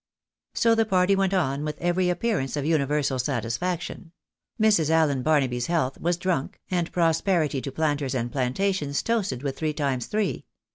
So the party went on with every appearance of universal satis faction ; Mrs. Allen Barnaby's health was drunk, and prosperity to planters and plantations toasted with three times three.